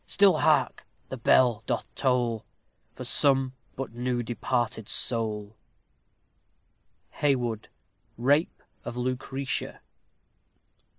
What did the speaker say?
still hark! the bell doth towle For some but new departed sowle! HAYWOOD: Rape of Lucrece.